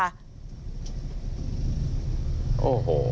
โอ้โห